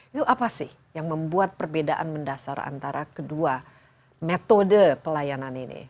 itu apa sih yang membuat perbedaan mendasar antara kedua metode pelayanan ini